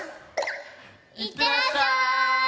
いってらっしゃい！